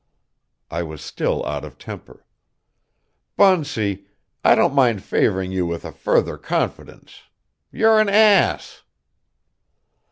I was still out of temper. "Bunsey, I don't mind favoring you with a further confidence. You're an ass!"